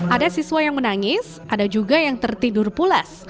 ada siswa yang menangis ada juga yang tertidur pulas